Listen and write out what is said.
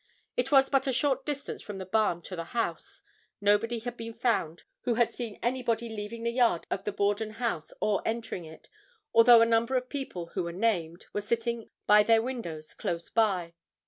It was but a short distance from the barn to the house. Nobody had been found who had seen anybody leaving the yard of the Borden house or entering it, although a number of people, who were named, were sitting by their windows close by.